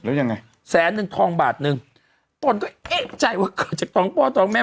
แล้วยังไงแสนนึงทองบาทนึงตนก็เอ๊ะใจว่าเกิดจากสองพ่อตองแม่